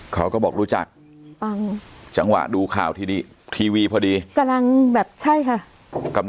เขาก็บอกรู้จักปังจังหวะดูข่าวทีดีทีวีพอดีกำลังแบบใช่ค่ะ